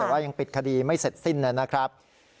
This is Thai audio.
แต่ว่ายังปิดคดีไม่เสร็จสิ้นนะครับ